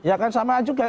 ya kan sama juga